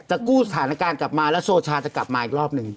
กู้สถานการณ์กลับมาแล้วโซชาจะกลับมาอีกรอบหนึ่ง